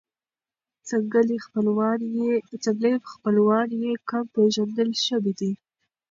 ځنګلي خپلوان یې کم پېژندل شوي دي.